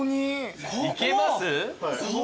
いけます？